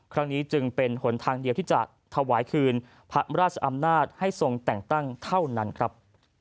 ครั้งนี้จึงเป็นหนทางเดียวที่จะถวายคืนพระราชอำนาจให้ทรงแต่งตั้งเท่านั้นครับ